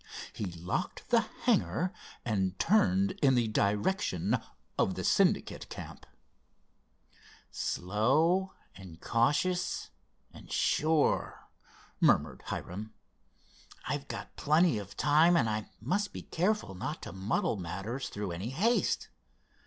He locked the hangar, and turned in the direction of the Syndicate camp. "Slow, and cautious, and sure," murmured Hiram. "I've got plenty of time, and I must be careful not to muddle matters through any haste.